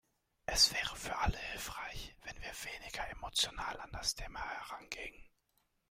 Es wäre für alle hilfreich, wenn wir weniger emotional an das Thema herangingen.